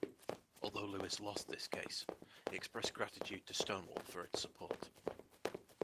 Although Lewis lost this case, he expressed gratitude to Stonewall for its support.